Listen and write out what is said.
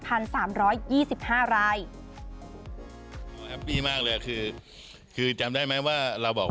พันสามร้อยยี่สิบห้ารายมากเลยคือคือจำได้ไหมว่าเราบอก